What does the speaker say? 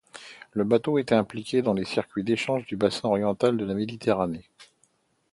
Le bateau était impliqué dans les circuits d'échanges du bassin oriental de la Méditerranée.